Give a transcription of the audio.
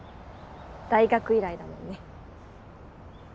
大学以来だもんね。